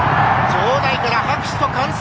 場内から拍手と歓声。